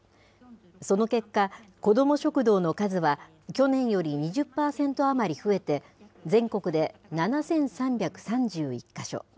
その結果、子ども食堂の数は去年より２０％余り増えて、全国で７３３１か所。